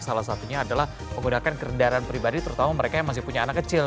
salah satunya adalah menggunakan kendaraan pribadi terutama mereka yang masih punya anak kecil